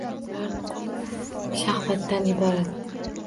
Bular nuqul shahvatdan iborat